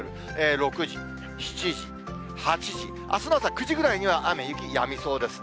６時、７時、８時、あすの朝９時ぐらいには雨、雪、やみそうですね。